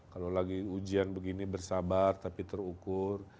kalau lagi ujian begini bersabar tapi terukur